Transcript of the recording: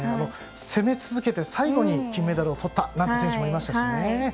攻め続けて最後に金メダルをとったなんて選手もいましたしね。